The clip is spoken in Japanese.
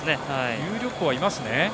有力校はいますね。